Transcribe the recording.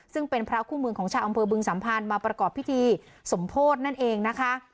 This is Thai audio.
ซึ่งเป็นพระคู่เมืองของชาวอำเภอบึงสัมพันธ์มาประกอบพิธีสมโพธินั่นเองนะคะ